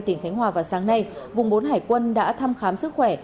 tỉnh khánh hòa vào sáng nay vùng bốn hải quân đã thăm khám sức khỏe